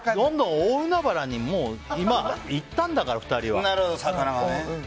大海原に今、行ったんだから、２人は。